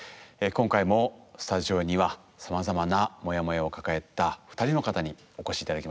今回もスタジオにはさまざまなモヤモヤを抱えた２人の方にお越し頂きました。